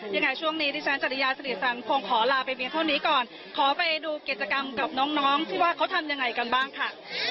ยังไงช่วงนี้ดิฉันจริยาสิริสันคงขอลาไปเพียงเท่านี้ก่อนขอไปดูกิจกรรมกับน้องน้องที่ว่าเขาทำยังไงกันบ้างค่ะ